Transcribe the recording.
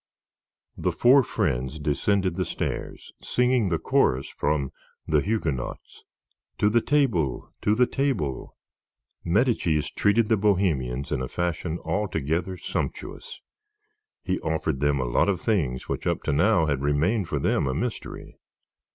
The four friends descended the stairs, singing the chorus from "The Huguenots," "to the table, to the table." Medicis treated the bohemians in a fashion altogether sumptuous. He offered them a lot of things which up to now had remained for them a mystery.